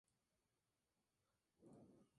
Se encuentra en Montenegro.